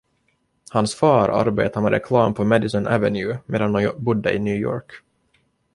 Hans far arbetade med reklam på Madison Avenue medan de bodde i New York.